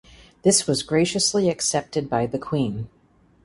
This was graciously accepted by the Queen.